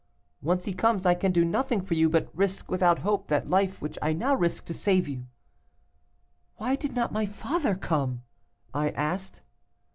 'Once he comes, I can do nothing for you but risk without hope that life which I now risk to save you.' 'Why did not my father come?' I asked.